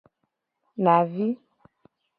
Navi.